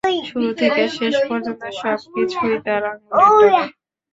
শুরু থেকে শেষ পর্যন্ত সবকিছুই তার আঙ্গুলের ডগায়।